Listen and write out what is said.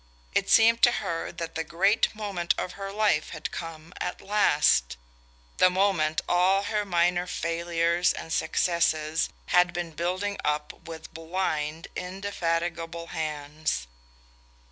It seemed to her that the great moment of her life had come at last the moment all her minor failures and successes had been building up with blind indefatigable hands.